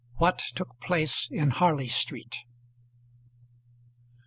WHAT TOOK PLACE IN HARLEY STREET.